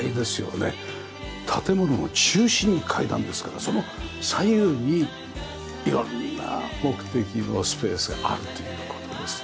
建物の中心に階段ですからその左右に色んな目的のスペースがあるという事ですね。